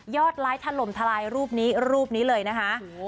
ยอดไลท์ทรมทลายรูปนี้รูปนี้เลยนะคะ